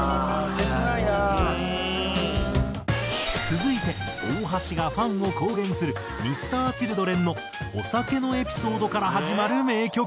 続いて大橋がファンを公言するＭｒ．Ｃｈｉｌｄｒｅｎのお酒のエピソードから始まる名曲。